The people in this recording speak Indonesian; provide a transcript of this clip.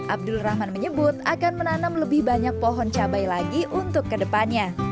abdul rahman menyebut akan menanam lebih banyak pohon cabai lagi untuk kedepannya